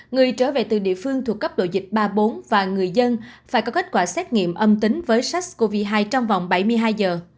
người trở về từ địa phương thuộc cấp độ dịch ba mươi bốn và người dân phải có kết quả xét nghiệm âm tính với sars cov hai trong vòng bảy mươi hai giờ